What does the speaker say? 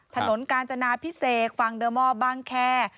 ถนนกาญจนาพิเศษฝั่งเดอร์มอลบางแคร์